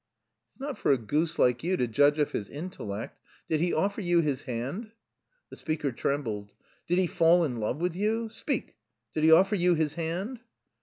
"It's not for a goose like you to judge of his intellect. Did he offer you his hand?" The speaker trembled. "Did he fall in love with you? Speak! Did he offer you his hand?"